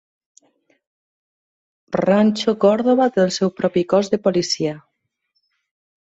Rancho Cordova té el seu propi cos de policia.